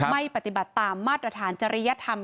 ไม่ปฏิบัติตามมาตรฐานจริยธรรม